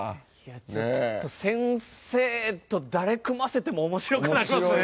先生と誰組ませても面白くなりますね。